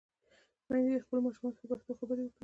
میندې دې خپلو ماشومانو ته پښتو خبرې وکړي.